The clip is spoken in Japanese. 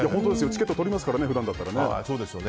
チケットとりますから普段だったら。